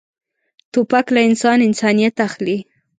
توپک له انسان انسانیت اخلي.